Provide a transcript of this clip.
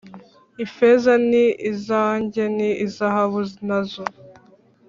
Ifeza ni izanjye n izahabu na zo